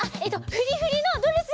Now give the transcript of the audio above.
フリフリのドレス！